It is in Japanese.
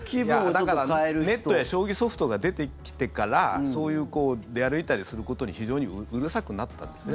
だから、ネットや将棋ソフトが出てきてからそういう出歩いたりすることに非常にうるさくなったんですね。